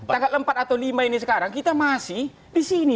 tanggal empat atau lima ini sekarang kita masih di sini